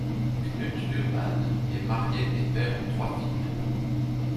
Knut Urban est marié et père de trois filles.